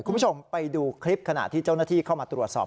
คุณผู้ชมไปดูคลิปขณะที่เจ้าหน้าที่เข้ามาตรวจสอบ